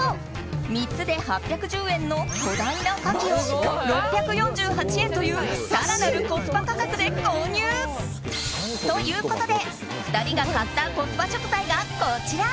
３つで８１０円の巨大なカキを６４８円という更なるコスパ価格で購入。ということで２人が買ったコスパ食材がこちら。